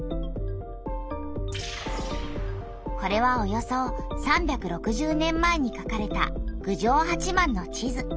これはおよそ３６０年前にかかれた郡上八幡の地図。